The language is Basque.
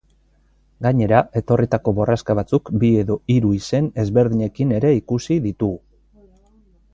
Gainera, etorritako borraska batzuk bi edo hiru izen ezberdinekin ere ikusi ditugu.